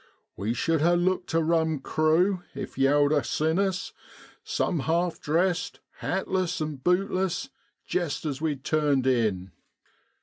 We should ha' looked a rum crew, if yow'd a seen us, some half dressed, hatless an' buteless, jest as we'd turned in.